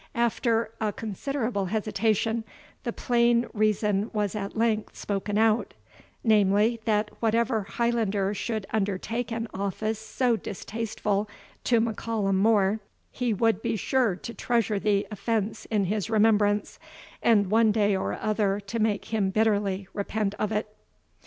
After a considerable hesitation, the plain reason was at length spoken out, namely, that whatever Highlander should undertake an office so distasteful to M'Callum More, he would be sure to treasure the offence in his remembrance, and one day or other to make him bitterly repent of it.